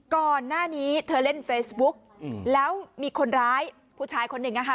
ก่อนหน้านี้เธอเล่นเฟซบุ๊กแล้วมีคนร้ายผู้ชายคนหนึ่งนะคะ